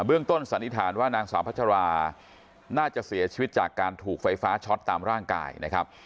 เรื่องต้นสันนิษฐานว่านางสาวพัชราน่าจะเสียชีวิตจากการถูกไฟฟ้าช็อตตามร่างกายนะครับ